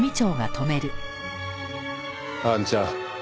あんちゃん